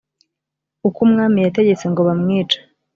uko umwami yategetse ngo bamwice